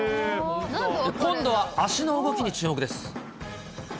今度は足の動きに注目です。